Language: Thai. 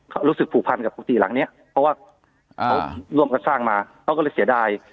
เขารู้สึกผูกพันกับกุฏิหลังเนี้ยเพราะว่าเขาร่วมกันสร้างมาเขาก็เลยเสียดาย